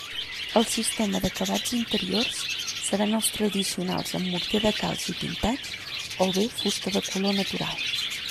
El sistema d'acabats interiors seran els tradicionals amb morter de calç i pintats, o bé fusta de color natural.